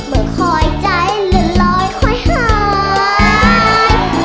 เมืองอยใจหละลอยคอยหาย